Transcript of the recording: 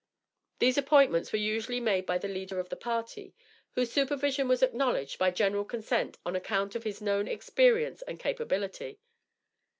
These appointments were usually made by the leader of the party, whose supervision was acknowledged by general consent on account of his known experience and capability.